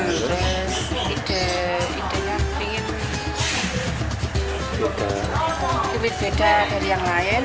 terus ide idenya lebih beda dari yang lain